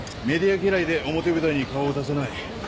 メディア嫌いで表舞台に顔を出さない。